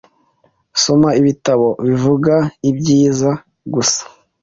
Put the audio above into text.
Soma ibitabo bivuga ibyiza gusa